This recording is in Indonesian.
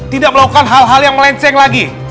tidak melakukan hal hal yang melenceng lagi